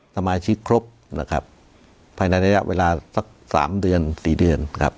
สมาชิกครบภายใณระยะเวลาสัก๓เดือน๔เดือน